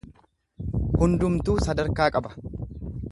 Hundumtuu sadarkaa qaba.